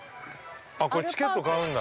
◆これ、チケット買うんだ。